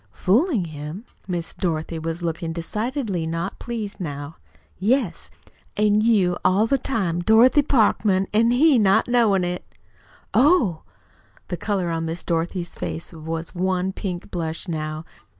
"Fooling him?" Miss Dorothy was looking decidedly not pleased now. "Yes, an' you all the time Dorothy Parkman, an' he not knowin' it." "Oh!" The color on Miss Dorothy's face was one pink blush now.